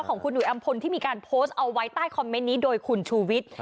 ของคุณหุยอำพลที่มีการโพสต์เอาไว้ใต้คอมเมนต์นี้โดยคุณชูวิทย์